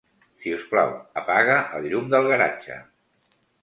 Si us plau, apaga el llum del garatge.